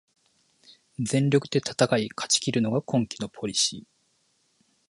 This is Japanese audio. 全力で戦い勝ちきるのが今季のポリシー